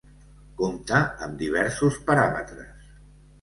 Compta amb diversos paràmetres.